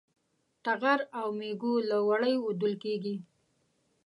ټغر و مېږو له وړیو وُودل کېږي.